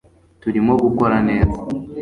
turimo gukora neza